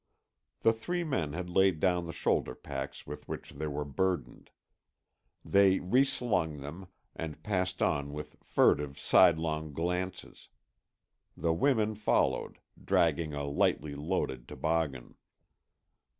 The three men had laid down the shoulder packs with which they were burdened. They re slung them, and passed on with furtive sidelong glances; the women followed, dragging a lightly loaded toboggan.